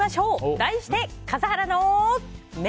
題して笠原の眼！